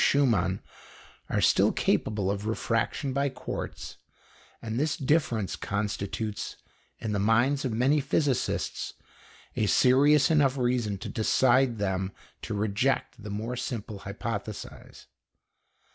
Schumann, are still capable of refraction by quartz, and this difference constitutes, in the minds of many physicists, a serious enough reason to decide them to reject the more simple hypothesis.